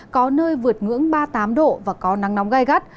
có nơi vượt ngưỡng ba mươi tám độ và có nắng nóng gai gắt